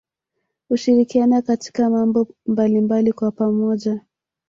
Hushirikiana katika mambo mbalimbali kwa pamoja